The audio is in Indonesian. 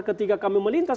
ketika kami melintas